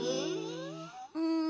うん。